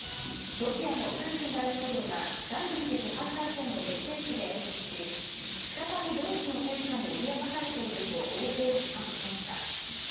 ロシアのプーチン大統領が第２次世界大戦の激戦地で演説し再びドイツの戦車に脅かされていると欧米を批判しました。